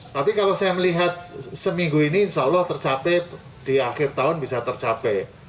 tapi kalau saya melihat seminggu ini insya allah tercapai di akhir tahun bisa tercapai